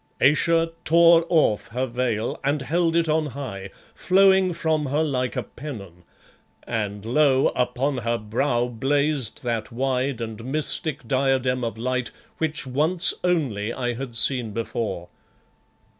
Ayesha tore off her veil and held it on high, flowing from her like a pennon, and lo! upon her brow blazed that wide and mystic diadem of light which once only I had seen before.